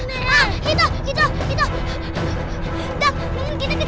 saya datang ke sini